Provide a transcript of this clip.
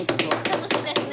楽しいですね。